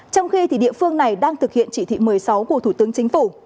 trong khi địa phương này đang thực hiện chỉ thị một mươi sáu của thủ tướng chính phủ